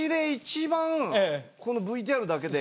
このＶＴＲだけで。